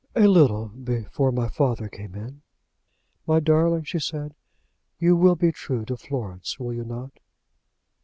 "A little before my father came in." "My darling," she said, "you will be true to Florence; will you not?"